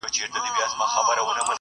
زه به سبا کالي وپرېولم!